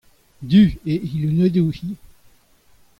Du eo he lunedoù-hi.